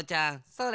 それ。